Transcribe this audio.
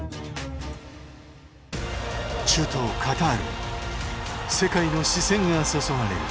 中東カタールに世界の視線が注がれる。